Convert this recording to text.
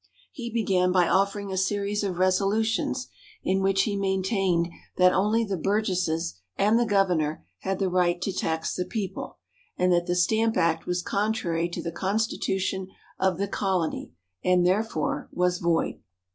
He began by offering a series of resolutions, in which he maintained that only the Burgesses and the Governor had the right to tax the People, and that the Stamp Act was contrary to the Constitution of the Colony, and therefore was void.